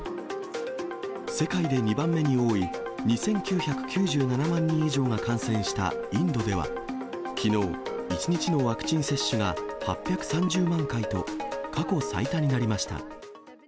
世界で２番目に多い２９９７万人以上が感染したインドでは、きのう、１日のワクチン接種が８３０万回と、過去最多になりました。